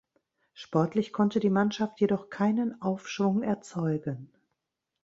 Sportlich konnte die Mannschaft jedoch keinen Aufschwung erzeugen.